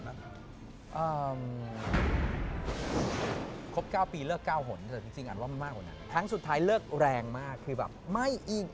มีข่าวว่าพี่เป็นเกย์มาตลอด